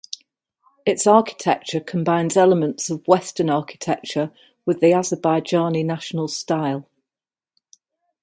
Its architecture combines elements of Western architecture with the Azerbaijani national style.